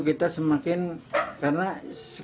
kita harus menemukan cara pembuatan tempe